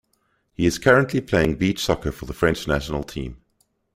He is currently playing beach soccer for the French National team.